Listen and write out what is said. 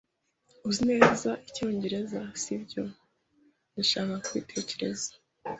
"Uzi neza Icyongereza, si byo?" "Ndashaka kubitekereza."